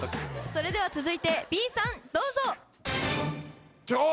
それでは続いてＢさんどうぞ！